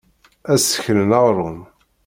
Ad sekren aɣṛum.